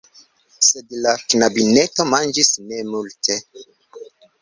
Sed la knabineto manĝis ne multe.